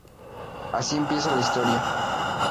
Así comienza la historia.